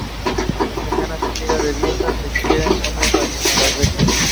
Lentejas, comida de viejas, si quieres las comes y si no las dejas